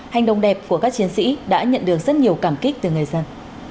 hành động đẹp của các chiến sĩ đã nhận được rất nhiều cảm kích từ người dân